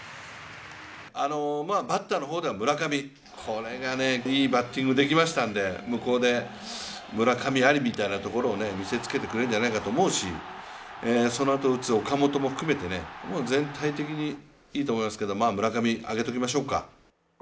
バッターの方では村上、これがいいバッティングできましたんで、向こうで村上ありみたいなところを見せつけてくれるんじゃないかと思うしそのあと打つ岡本も含めて、全体的にいいと思いますけどまあ村上、挙げておきましょうか。